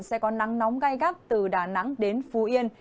sẽ có nắng nóng gai gắt từ đà nẵng đến phú yên